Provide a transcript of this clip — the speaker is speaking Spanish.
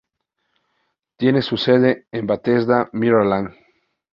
Tiene su sede en Bethesda, Maryland.